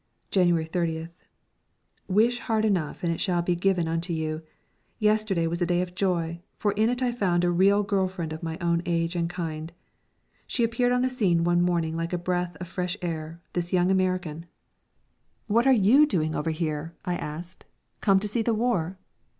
January 30th. Wish hard enough and it shall be given unto you! Yesterday was a day of joy, for in it I found a real girl friend of my own age and kind. She appeared on the scene one morning like a breath of fresh air, this young American. "What are you doing over here?" I asked. "Come to see the war?"